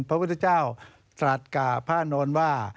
พระพุทธเจ้าตรัสกับพระนอนว่า